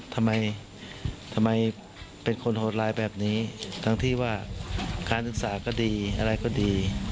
ทำไมทำไมเป็นคนโหดร้ายแบบนี้ทั้งที่ว่าการศึกษาก็ดีอะไรก็ดี